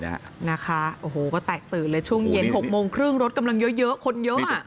ตากตื่นเลยช่วงเย็น๖โมงคลื่องรถกำลังเยอะคนเยอะมา